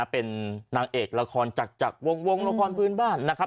เป็นนางเอกราคอนจากวงศ์วงศ์ราคอนพื้นบ้านนะครับ